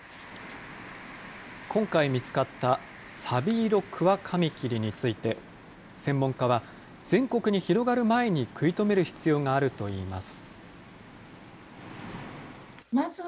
今回見つかったサビイロクワカミキリについて、専門家は、全国に広がる前に食い止める必要があるといいます。